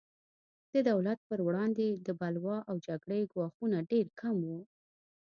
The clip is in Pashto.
د دولت پر وړاندې د بلوا او جګړې ګواښونه ډېر کم وو.